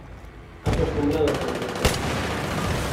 Acostumbrado a sentirte